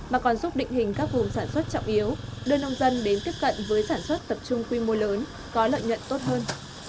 mà còn giúp định hình các vùng sản xuất trọng yếu đưa nông dân đến tiếp cận với sản xuất tập trung quy mô lớn có lợi nhuận tốt hơn